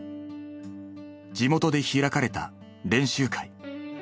地元で開かれた練習会。